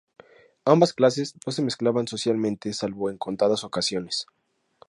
Ambas clases no se mezclaban socialmente salvo en contadas ocasiones.